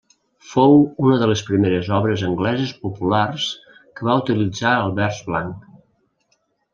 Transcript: Fou una de les primeres obres angleses populars que va utilitzar el vers blanc.